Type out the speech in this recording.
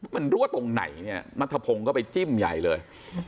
มันรั่วตรงไหนนัทพงก็ไปจิ้มใหญ่เลย